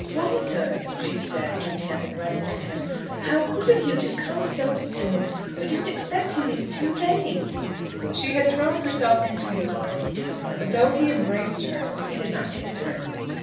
"Walter," she said, jumping up and running to him; "how good of you to come so soon! We didn't expect you these two days." She had thrown herself into his arms, but, though he embraced her, he did not kiss her.